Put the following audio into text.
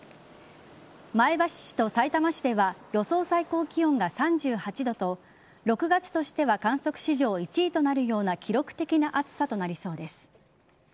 前橋市とさいたま市では予想最高気温が３８度と６月としては観測史上１位となるような記録的な暑さとなりそうです。